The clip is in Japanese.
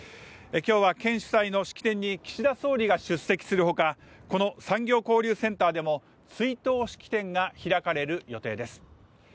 きょうは県主催の式典に岸田総理が出席するほかこの産業交流センターでも追悼式典が開かれる予定です